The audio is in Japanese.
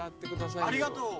ありがとう。